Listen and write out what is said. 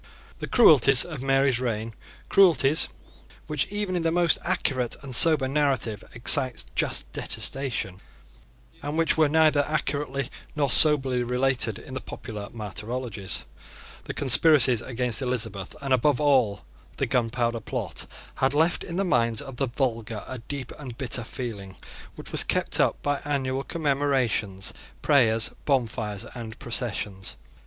The cruelties of Mary's reign, cruelties which even in the most accurate and sober narrative excite just detestation, and which were neither accurately nor soberly related in the popular martyrologies, the conspiracies against Elizabeth, and above all the Gunpowder Plot, had left in the minds of the vulgar a deep and bitter feeling which was kept up by annual commemorations, prayers, bonfires, and processions.